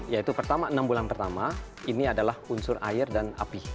yaitu pertama enam bulan pertama ini adalah unsur air dan api